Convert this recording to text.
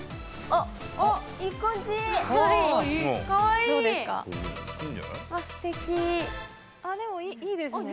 あっでもいいですね。